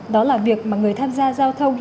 đó là việc mà người tham gia giao thông